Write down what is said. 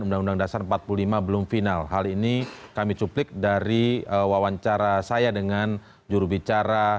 undang undang dasar empat puluh lima belum final hal ini kami cuplik dari wawancara saya dengan jurubicara